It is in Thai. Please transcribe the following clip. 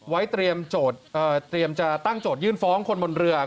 เตรียมจะตั้งโจทยื่นฟ้องคนบนเรือ